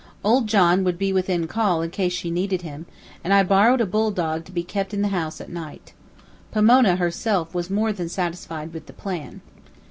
Old John would be within call in case she needed him, and I borrowed a bull dog to be kept in the house at night. Pomona herself was more than satisfied with the plan.